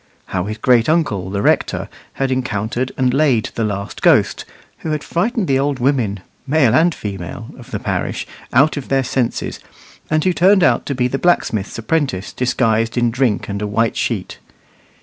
How his great uncle, the rector, had encountered and laid the last ghost, who had frightened the old women, male and female, of the parish out of their senses, and who turned out to be the blacksmith's apprentice disguised in drink and a white sheet.